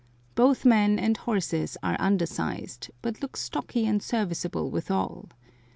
Both men and horses are undersized, but look stocky and serviceable withal.